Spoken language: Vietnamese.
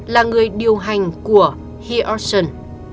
là người điều hành của hidroxon